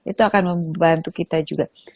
itu akan membantu kita juga